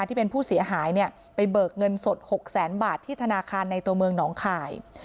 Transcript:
ที่เป็นผู้เสียหายเนี่ยไปเบิกเงินสด๖แสนบาทที่ธนาคารในตัวเมืองหนองคาย